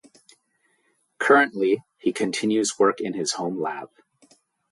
Currently, he continues work in his home lab.